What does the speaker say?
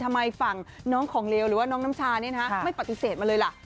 ทำไมฝั่งน้องของเลวหรือว่าน้องน้ำชาไม่ปฏิเสธมาเลยล่ะ